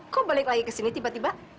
kok balik lagi ke sini tiba tiba